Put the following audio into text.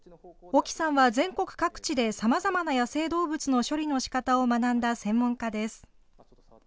沖さんは全国各地でさまざまな野生動物の処理のしかたを学んだ専門家です。